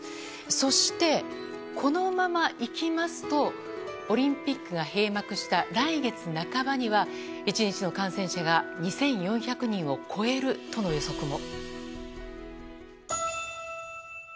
そして、このままいきますとオリンピックが閉幕した来月半ばには１日の感染者が２４００人を超えるとの予測も。